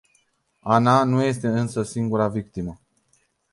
Anna nu este însă singura victimă.